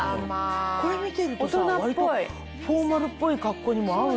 これ見てるとさ割とフォーマルっぽい格好にも合うよね。